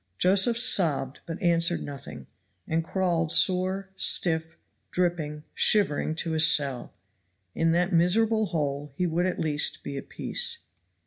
Josephs sobbed, but answered nothing, and crawled sore, stiff, dripping, shivering to his cell. In that miserable hole he would at least be at peace.